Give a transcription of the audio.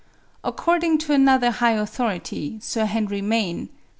According to another high authority, Sir Henry Maine (7.